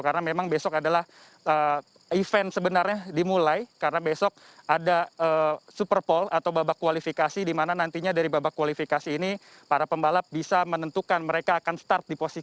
karena memang besok adalah event sebenarnya dimulai karena besok ada super pole atau babak kualifikasi di mana nantinya dari babak kualifikasi ini para pembalap bisa menentukan mereka akan start di posisi